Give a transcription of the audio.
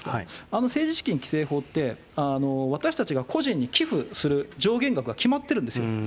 あの政治資金規正法って、私たちが個人で寄付する上限額が決まってるんですよ。